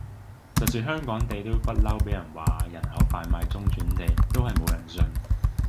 就算香港地都不嬲畀人話係人口販賣中轉地，都係冇人信